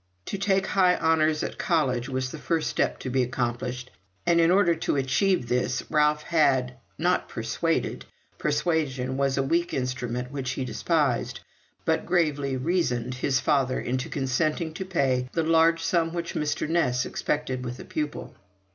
To take high honours at college was the first step to be accomplished; and in order to achieve this Ralph had, not persuaded persuasion was a weak instrument which he despised but gravely reasoned his father into consenting to pay the large sum which Mr. Ness expected with a pupil.